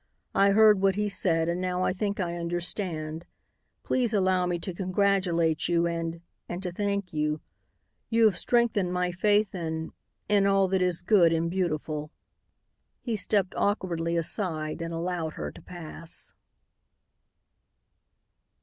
I heard what he said and now I think I understand. Please allow me to congratulate you and and to thank you. You have strengthened my faith in in all that is good and beautiful." He stepped awkwardly aside and allowed her to pass.